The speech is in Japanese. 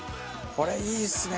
これいいですね！